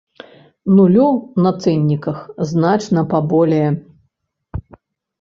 Нулёў на цэнніках значна паболее.